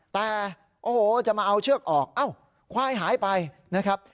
แต่โอ้โหจะมาเอาเชือกออกอ้าวควายหายไปนะครับ